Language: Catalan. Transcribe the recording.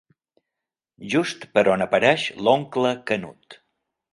Just per on apareix l'oncle Canut.